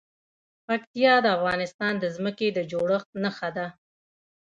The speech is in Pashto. پکتیا د افغانستان د ځمکې د جوړښت نښه ده.